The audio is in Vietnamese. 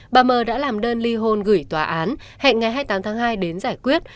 bà mer đã làm đơn ly hôn gửi tòa án hẹn ngày hai mươi tám tháng hai đến giải quyết